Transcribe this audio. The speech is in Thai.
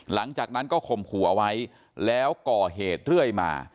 หลังจากนั้นก็ข่มขู่เอาไว้แล้วก่อเหตุเรื่อยมา